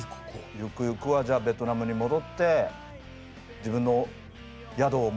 ゆくゆくはじゃあベトナムに戻って自分の宿を持ちたいんだ？